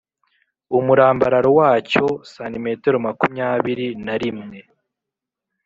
umurambararo wacyo cm makumyabiri na rimwe